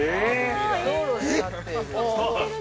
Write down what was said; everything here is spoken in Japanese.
◆道路に立っている◆